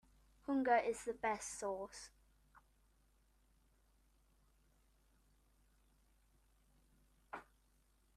Hunger is the best sauce.